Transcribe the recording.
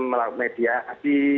melakukan media di